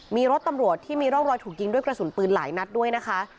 มีรถตำรวจที่มีร่องรอยถูกยิงด้วยกระสุนปืนหลายนัดด้วยนะคะ